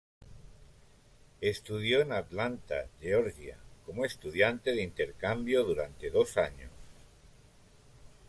Estudió en Atlanta, Georgia, como estudiante de intercambio durante dos años.